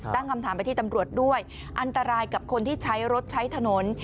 ตั้งคำถามไปที่ตำรวจด้วยอันตรายกับคนที่ใช้รถใช้ถนน